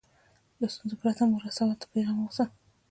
له ستونزو پرته مو رسوو ته بیغمه اوسه.